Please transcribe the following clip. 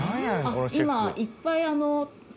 今いっぱい。